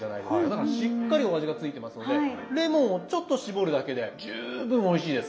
だからしっかりお味が付いてますのでレモンをちょっと搾るだけで十分おいしいです。